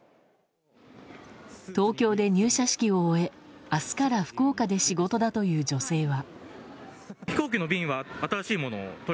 東京で入社式を終え明日から福岡で仕事だという女性は。